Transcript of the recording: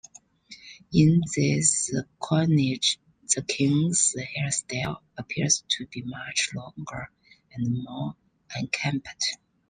In this coinage the king's hairstyle appears to be much longer and more unkempt.